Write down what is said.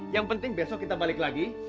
yang penting besok kita balik lagi